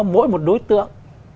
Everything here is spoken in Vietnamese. mỗi một đối tượng